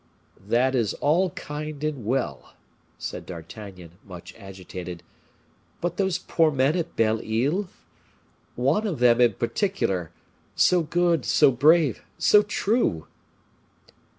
"That is all kind and well!" said D'Artagnan, much agitated. "But those poor men at Belle Isle? One of them, in particular so good! so brave! so true!"